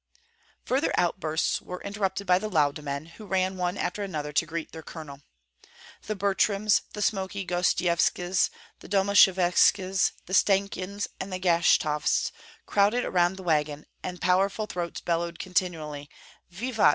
Further outbursts were interrupted by the Lauda men, who ran one after another to greet their colonel. The Butryms, the Smoky Gostsyeviches, the Domasheviches, the Stakyans, the Gashtovts, crowded around the wagon, and powerful throats bellowed continually, "Vivat!